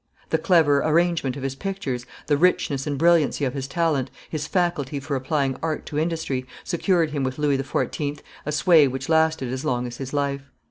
The clever arrangement of his pictures, the richness and brilliancy of his talent, his faculty for applying art to industry, secured him with Louis XIV. a sway which lasted as long as his life.